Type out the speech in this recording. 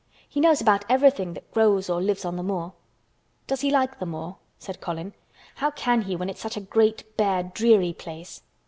He knows about everything that grows or lives on the moor." "Does he like the moor?" said Colin. "How can he when it's such a great, bare, dreary place?"